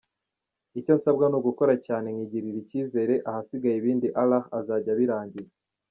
Icyo nsabwa ni ugukora cyane nkigirira ikizere, ahasigaye ibindi Allah azajya abirangiza.